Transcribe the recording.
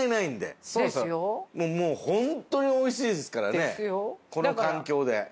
もうホントにおいしいですからねこの環境で。